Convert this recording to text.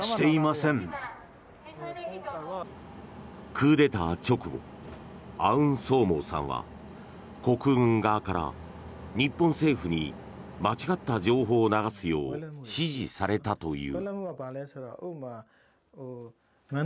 クーデター直後アウンソーモーさんは国軍側から、日本政府に間違った情報を流すよう指示されたという。